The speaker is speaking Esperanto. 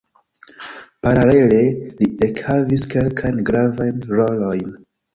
Paralele, li ekhavis kelkajn gravajn rolojn.